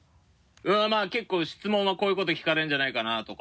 まぁ結構質問はこういうこと聞かれるんじゃないかな？とか。